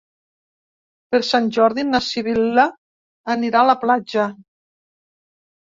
Per Sant Jordi na Sibil·la anirà a la platja.